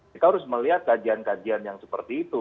kita harus melihat kajian kajian yang seperti itu